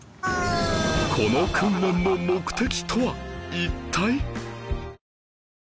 この訓練の目的とは一体？